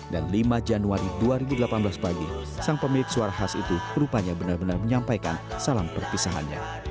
dan lima januari dua ribu delapan belas pagi sang pemilik suara khas itu rupanya benar benar menyampaikan salam perpisahannya